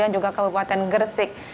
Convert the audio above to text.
juga kabupaten gersik